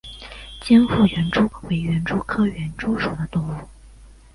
尖腹园蛛为园蛛科园蛛属的动物。